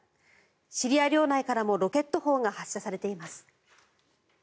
シリア領内からもロケット砲が発射されています。